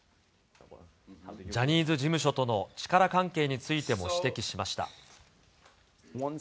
ジャニーズ事務所との力関係についても指摘しました。